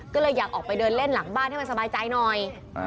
ก็เลยอยากออกไปเดินเล่นหลังบ้านให้มันสบายใจหน่อย